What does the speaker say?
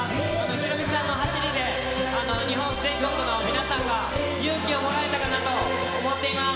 ヒロミさんの走りで、日本全国の皆さんが勇気をもらえたかなと思っています。